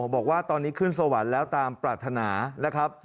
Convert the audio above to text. บอกว่าตอนนี้ขึ้นสวรรค์แล้วตามปรารถนานะครับ